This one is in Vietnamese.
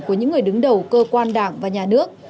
của những người đứng đầu cơ quan đảng và nhà nước